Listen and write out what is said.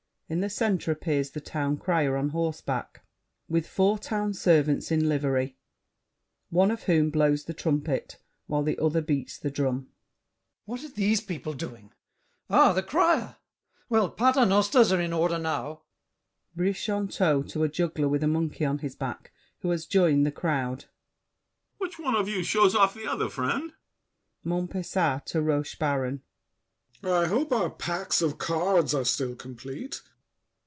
In the center appears The Town Crier on horseback, with four Town servants in livery, one of whom blows the trumpet, while the other beats the drum. GASSÉ. What are these people doing? Ah, the crier! Well, paternosters are in order now! BRICHANTEAU (to a juggler with a monkey on his back, who has joined the crowd). Which one of you shows off the other, friend? MONTPESAT (to Rochebaron). I hope our packs of cards are still complete.